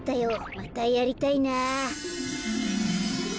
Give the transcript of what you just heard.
またやりたいなあ。